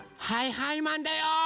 はいはいマンだよ！